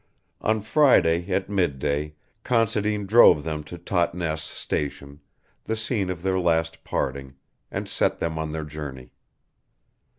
On Friday at midday Considine drove them to Totnes station, the scene of their last parting, and set them on their journey.